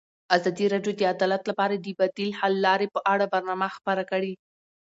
ازادي راډیو د عدالت لپاره د بدیل حل لارې په اړه برنامه خپاره کړې.